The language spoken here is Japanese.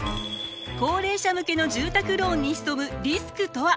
高齢者向けの住宅ローンに潜むリスクとは？